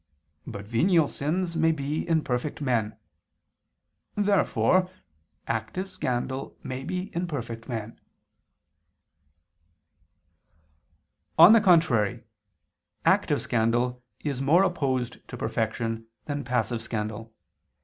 But venial sins may be in perfect men. Therefore active scandal may be in perfect men. On the contrary, Active scandal is more opposed to perfection, than passive scandal.